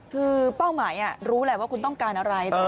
คือเป้าหมายรู้แหละว่าคุณต้องการอะไร